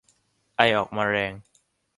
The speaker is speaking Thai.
ไอออกมาแรง